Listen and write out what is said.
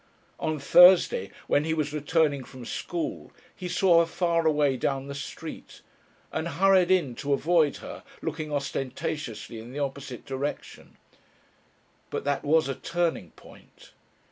On Thursday when he was returning from school he saw her far away down the street, and hurried in to avoid her, looking ostentatiously in the opposite direction. But that was a turning point.